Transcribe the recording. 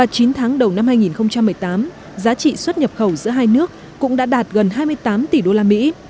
ba chín tháng đầu năm hai nghìn một mươi tám giá trị xuất nhập khẩu giữa hai nước cũng đã đạt gần hai mươi tám tỷ đô la mỹ